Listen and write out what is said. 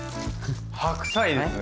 白菜ですね。